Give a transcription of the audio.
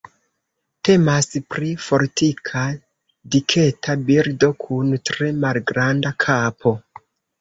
Temas pri fortika diketa birdo kun tre malgranda kapo.